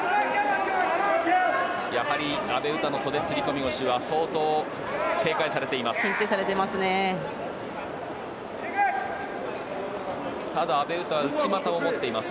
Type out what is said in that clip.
やはり阿部詩の袖釣り込み腰は相当警戒されています。